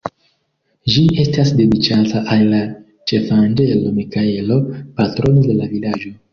Ĝi estas dediĉata al la Ĉefanĝelo Mikaelo, patrono de la vilaĝo.